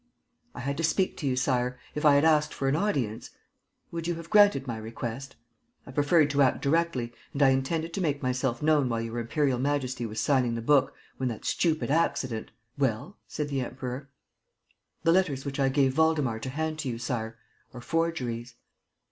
"I had to speak to you, Sire. If I had asked for an audience ... would you have granted my request? I preferred to act directly and I intended to make myself known while Your Imperial Majesty was signing the book, when that stupid accident ..." "Well?" said the Emperor. "The letters which I gave Waldemar to hand to you, Sire, are forgeries."